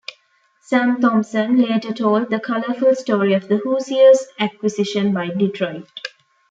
Sam Thompson later told the colorful story of the Hoosiers' acquisition by Detroit.